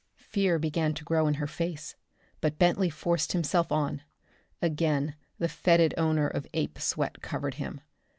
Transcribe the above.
Fear began to grow in her face, but Bentley forced himself on. Again the fetid odor of ape sweat covered him.